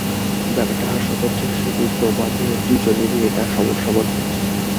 ব্যাপারটা হাস্যকর যে শুধু তোমাদের দুজনেরই এটা সমস্যা মনে হচ্ছে।